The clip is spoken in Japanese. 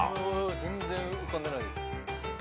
全然浮かんでないです。